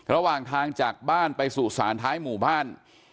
ระหว่างทางจากบ้านไปสู่ศาลท้ายหมู่บ้าน